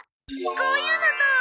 こういうのどう？